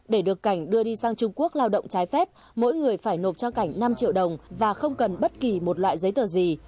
để được cảnh đưa đi sang trung quốc lao động trái phép mỗi người phải nộp cho cảnh năm triệu đồng và không cần bất kỳ một loại giấy tờ gì